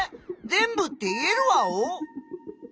全部っていえるワオ？